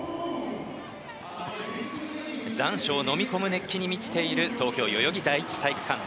残暑をのみ込む熱気に満ちている東京・代々木第一体育館。